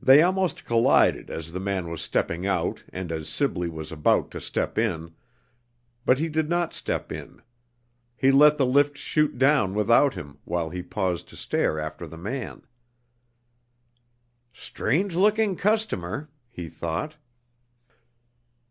They almost collided as the man was stepping out and as Sibley was about to step in. But he did not step in. He let the lift shoot down without him, while he paused to stare after the man. "Strange looking customer!" he thought.